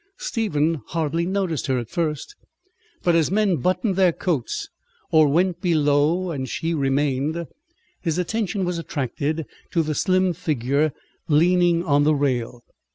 Stephen hardly noticed her at first, but as men buttoned their coats or went below, and she remained, his attention was attracted to the slim figure leaning on the rail.